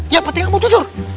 yang penting kamu jujur